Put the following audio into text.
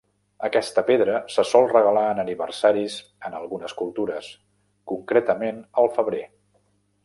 Aquesta pedra se sol regalar en aniversaris en algunes cultures, concretament al febrer.